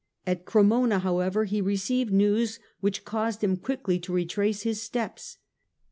At Cremona, however, he received news which caused him quickly to retrace his steps.